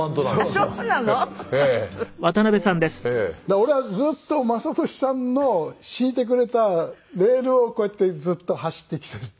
俺はずっと雅俊さんの敷いてくれたレールをこうやってずっと走ってきているっていう。